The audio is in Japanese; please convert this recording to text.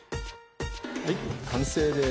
はい完成です。